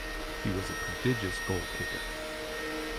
He was a prodigious goal kicker.